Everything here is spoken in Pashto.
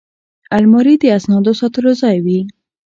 الماري د اسنادو ساتلو ځای وي